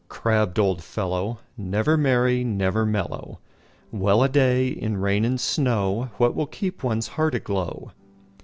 crabbed old fellow, Never merry, never mellow! Well a day! in rain and snowWhat will keep one's heart aglow?